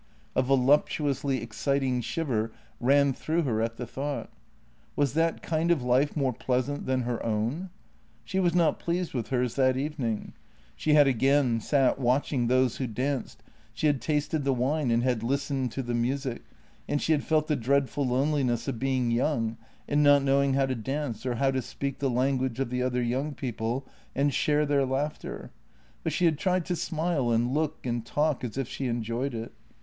A voluptuously exciting shiver ran through her at the thought. Was that kind of life more pleasant than her own? She was not pleased with hers that evening; she had again sat watching those who danced, she had tasted the wine and had listened to the music, and she had felt the dread ful loneliness of being young and not knowing how to dance or how to speak the language of the other young people and share their laughter, but she had tried to smile and look and talk as if she enjoyed it.